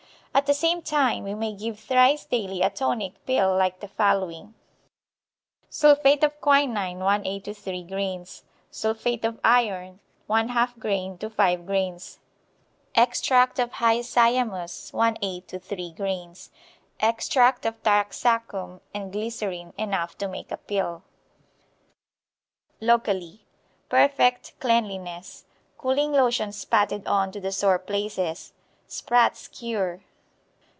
At the same time we may give thrice daily a tonic pill like the following: Sulphate of quinine, 1/8 to 3 grains; sulphate of iron, 1/2 grain to 5 grains; extract of hyoscyamus, 1/8 to 3 grains; extract of taraxacum and glycerine enough to make a pill. Locally Perfect cleanliness. Cooling lotions patted on to the sore places. Spratts' Cure.